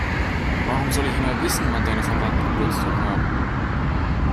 Warum soll immer ich wissen, wann deine Verwandten Geburtstag haben?